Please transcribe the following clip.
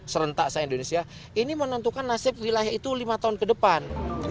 serentak saya indonesia ini menentukan nasib wilayah itu lima tahun ke depan